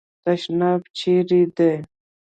تشناب چیري دی ؟